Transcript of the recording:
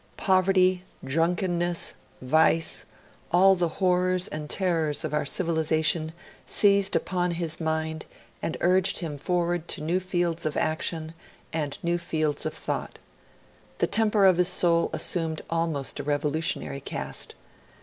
Poverty, drunkenness, vice, all the horrors and terrors of our civilisation seized upon his mind, and urged him forward to new fields of action and new fields of thought. The temper of his soul assumed almost a revolutionary cast.